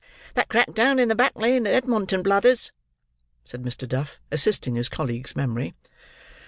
"That crack down in the back lane at Edmonton, Blathers," said Mr. Duff, assisting his colleague's memory.